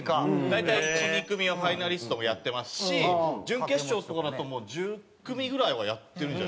大体１２組はファイナリストもやってますし準決勝とかになるともう１０組ぐらいはやってるんじゃないですか？